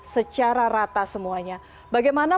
secara rata semuanya bagaimana